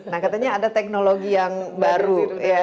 nah katanya ada teknologi yang baru